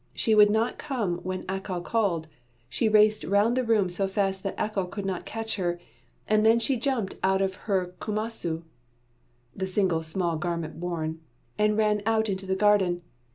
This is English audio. She would not come when Accal called; she raced round the room so fast that Accal could not catch her, and then she jumped out of her cumasu" (the single small garment worn), "and ran out into the garden!